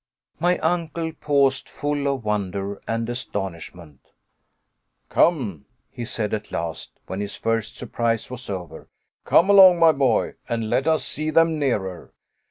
My uncle paused, full of wonder and astonishment. "Come!" he said at last, when his first surprise was over, "Come along, my boy, and let us see them nearer."